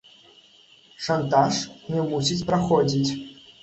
Шантаж не мусіць праходзіць.